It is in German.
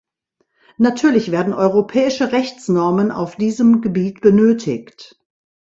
Natürlich werden europäische Rechtsnormen auf diesem Gebiet benötigt.